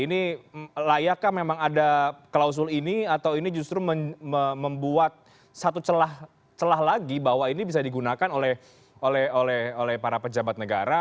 ini layakkah memang ada klausul ini atau ini justru membuat satu celah lagi bahwa ini bisa digunakan oleh para pejabat negara